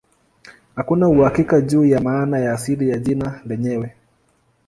Hakuna uhakika juu ya maana ya asili ya jina lenyewe.